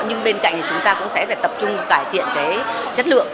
nhưng bên cạnh thì chúng ta cũng sẽ phải tập trung cải thiện cái chất lượng